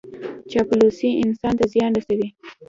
چاپلوسي انسان ته زیان رسوي.